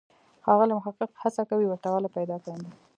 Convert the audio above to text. ښاغلی محق هڅه کوي ورته والی پیدا کاندي.